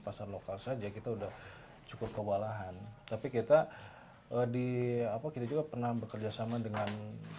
pasar lokal saja kita udah cukup kewalahan tapi kita di apa kita juga pernah bekerja sama dengan